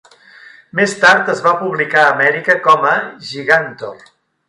Més tard es va publicar a Amèrica com a "Gigantor".